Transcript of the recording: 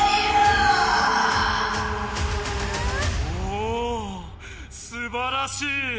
おおすばらしい！